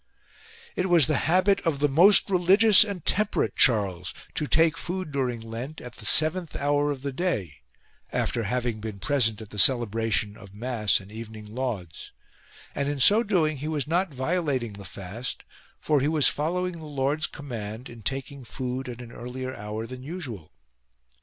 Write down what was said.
II. It was the habit of the most religious and temperate Charles to take food during Lent at the seventh hour of the day after having been present at the celebration of mass and evening lauds : and in so doing he was not violating the fast for he was following the Lord's command in taking food at an 75 CHARLES IN LENT earlier hour than usual.